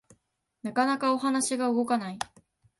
なかなかお話が動かない